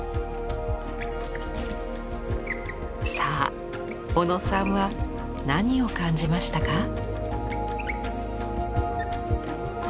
さあ小野さんは何を感じましたか？